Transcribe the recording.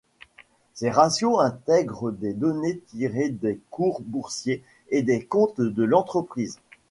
Ces ratios intègrent des données tirées des cours boursiers et des comptes de l'entreprise.